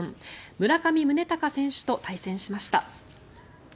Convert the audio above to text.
村上宗隆選手と対戦しました。